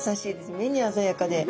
目に鮮やかで。